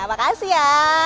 ya makasih ya